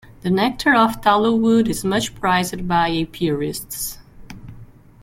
The nectar of tallowwood is much prized by apiarists.